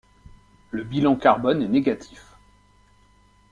Le bilan carbone est négatif.